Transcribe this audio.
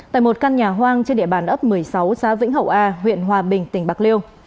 tại một căn nhà hoang trên địa bàn ấp một mươi sáu xã vĩnh hậu a huyện hòa bình tỉnh bạc liêu